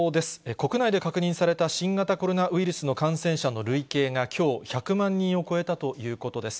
国内で確認された新型コロナウイルスの感染者の累計がきょう、１００万人を超えたということです。